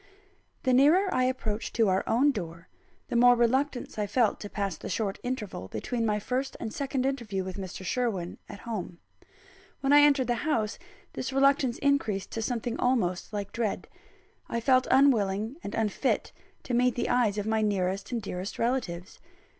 XI. The nearer I approached to our own door, the more reluctance I felt to pass the short interval between my first and second interview with Mr. Sherwin, at home. When I entered the house, this reluctance increased to something almost like dread. I felt unwilling and unfit to meet the eyes of my nearest and dearest relatives.